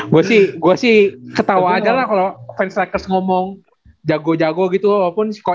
gue sih ketawa aja lah kalau fans lakers ngomong jago jago gitu loh walaupun si kho